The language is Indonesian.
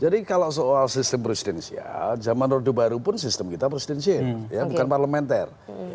jadi kalau soal sistem presidensial zaman rodo baru pun sistem kita presidensial ya bukan parlementer